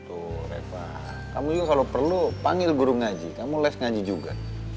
tuh reva kamu juga kalau perlu panggil guru ngaji kamu les ngaji juga